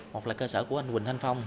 một là cơ sở của anh quỳnh thanh phong